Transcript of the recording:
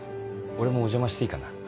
俺もお邪魔していいかな？